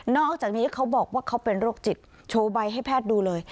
อกจากนี้เขาบอกว่าเขาเป็นโรคจิตโชว์ใบให้แพทย์ดูเลย